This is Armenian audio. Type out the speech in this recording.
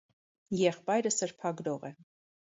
Եղբայրը սրբագրող է։